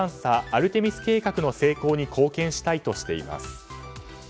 アルテミス計画の成功に貢献したいとしています。